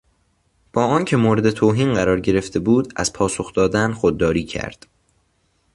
با آنکه مورد توهین قرار گرفته بود از پاسخ دادن خودداری کرد.